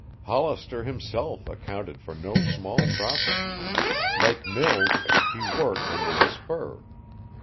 Hollister himself accounted for no small profit. Like Mills, he worked under a spur.